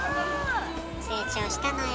成長したのよ。